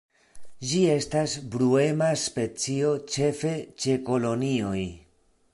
Ĝi estas bruema specio, ĉefe ĉe kolonioj.